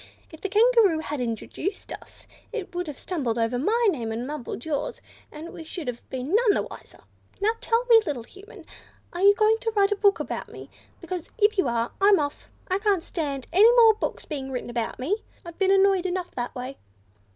"If the Kangaroo had introduced us, it would have stumbled over my name, and mumbled yours, and we should have been none the wiser. Now tell me, little Human, are you going to write a book about me? Because, if you are, I'm off. I can't stand any more books being written about me; I've been annoyed enough that way."